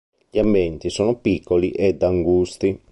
Gli ambienti sono piccoli ed angusti.